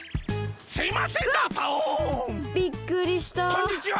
こんにちは。